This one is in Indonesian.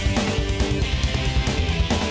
lai jangan pergi dulu